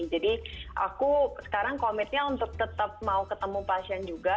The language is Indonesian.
jadi aku sekarang komitnya untuk tetap mau ketemu pasien juga